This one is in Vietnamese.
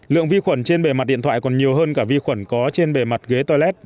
lượng vi khuẩn trên bề mặt điện thoại còn nhiều hơn cả vi khuẩn có trên bề mặt ghế tolet